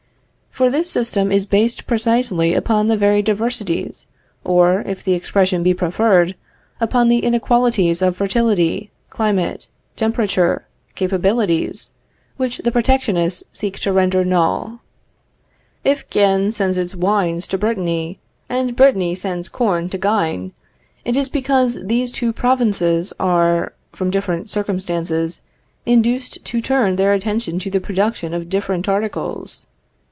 For this system is based precisely upon the very diversities, or, if the expression be preferred, upon the inequalities of fertility, climate, temperature, capabilities, which the protectionists seek to render null. If Guyenne sends its wines to Brittany, and Brittany sends corn to Guyenne, it is because these two provinces are, from different circumstances, induced to turn their attention to the production of different articles.